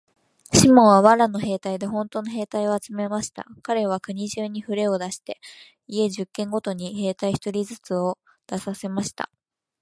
シモンは藁の兵隊でほんとの兵隊を集めました。かれは国中にふれを出して、家十軒ごとに兵隊一人ずつ出させました。